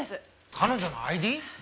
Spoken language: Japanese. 彼女のＩＤ？